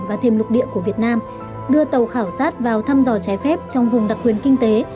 và thêm lục địa của việt nam đưa tàu khảo sát vào thăm dò trái phép trong vùng đặc quyền kinh tế